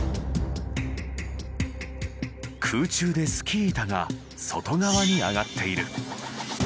空中でスキー板が外側に上がっている。